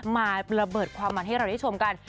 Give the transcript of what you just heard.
ระเบิดความมันให้เราได้ชมกัน